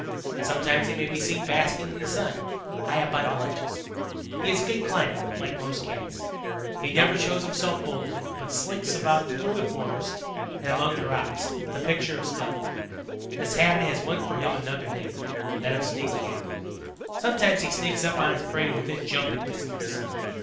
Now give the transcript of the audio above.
Sometimes he may be seen basking in the sun, high up on the ledges. He is a good climber, like most Cats. He never shows himself boldly, but slinks about through the forest and among the rocks, the picture of stealth. This habit has won for him another name that of Sneak Cat. Sometimes he sneaks up on his prey to within jumping distance.